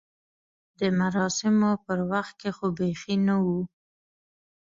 د مراسمو پر وخت کې خو بیخي نه و.